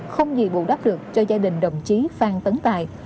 không gì bù đắp được cho gia đình đồng chí phan tấn tài